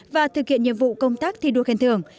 và thực hiện nhiệm vụ công tác thi đua khen thưởng